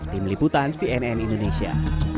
tim liputan cnn indonesia